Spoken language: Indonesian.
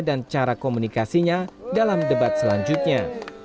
dan cara komunikasinya dalam debat selanjutnya